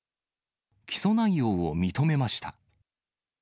起訴内容を認めました。